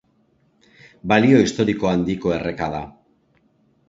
Balio historiko handiko erreka da.